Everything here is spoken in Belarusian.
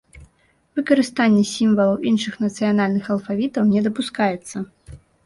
Выкарыстанне сімвалаў іншых нацыянальных алфавітаў не дапускаецца.